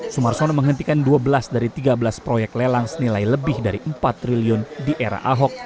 sumarsono menghentikan dua belas dari tiga belas proyek lelang senilai lebih dari empat triliun di era ahok